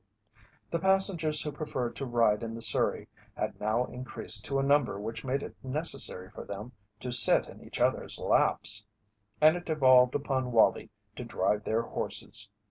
The passengers who preferred to ride in the surrey had now increased to a number which made it necessary for them to sit in each other's laps, and it devolved upon Wallie to drive their horses.